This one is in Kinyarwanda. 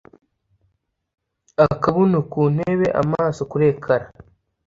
Akabuno ku ntebe amaso kuri ekara